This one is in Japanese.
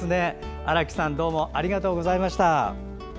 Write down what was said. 荒木さんどうもありがとうございました。